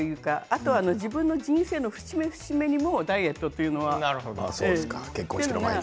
あとは自分の人生の節目節目にダイエットというのは。